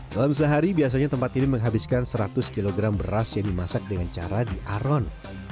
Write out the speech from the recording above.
dalam sehari biasanya tempat ini menghabiskan seratus kg beras yang dimasak dengan cara diaron